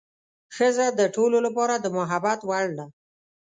ښځه د ټولو لپاره د محبت وړ ده.